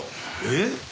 えっ？